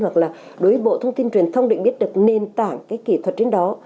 hoặc là đối với bộ thông tin truyền thông để biết được nền tảng cái kỹ thuật trên đó